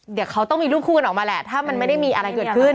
เดี๋ยวเขาต้องมีรูปคู่กันออกมาแหละถ้ามันไม่ได้มีอะไรเกิดขึ้น